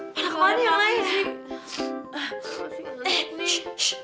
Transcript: mana kebanyakan lagi sih